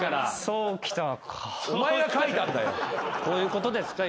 こういうことですか。